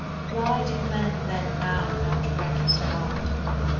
Why do men then now not reck his rod?